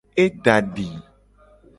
E da di.